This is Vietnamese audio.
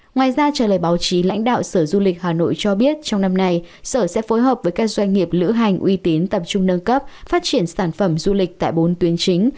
ngoài ra trả lời báo chí lãnh đạo sở du lịch hà nội cho biết trong năm nay sở sẽ phối hợp với các doanh nghiệp lữ hành uy tín tập trung nâng cấp phát triển sản phẩm du lịch tại bốn tuyến chính